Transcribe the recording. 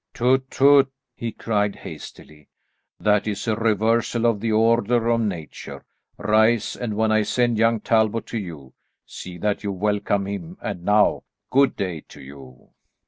"Tut, tut," he cried hastily, "that is a reversal of the order of nature. Rise, and when I send young Talbot to you, see that you welcome him; and now, good day to you."